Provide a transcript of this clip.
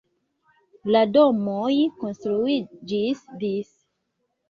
La domoj konstruiĝis dise.